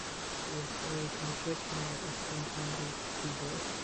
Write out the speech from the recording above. He is buried in the churchyard at St Andrews Cathedral.